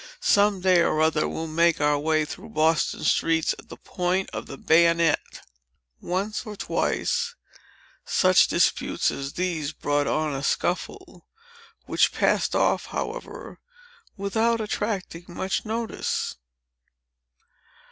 "Some day or other, we'll make our way through Boston streets, at the point of the bayonet!" Once or twice, such disputes as these brought on a scuffle; which passed off, however, without attracting much notice.